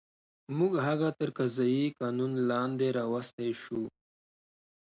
موږ هغه تر قضایي قانون لاندې راوستی شو.